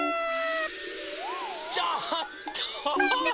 ちょっと！